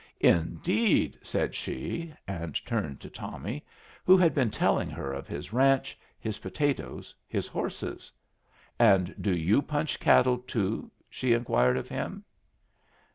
"Indeed!" said she, and returned to Tommy, who had been telling her of his ranch, his potatoes, his horses. "And do you punch cattle, too?" she inquired of him.